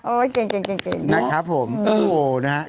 โอ้เก่งนะครับผมโอ้โฮนะครับ